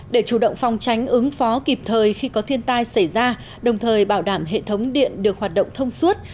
để chủ động phòng tránh ứng phó kịp thời khi có thiên tai xảy ra đồng thời bảo đảm hệ thống điện được hoạt động thông suốt